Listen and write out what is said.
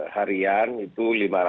harian itu lima ratus dua puluh dua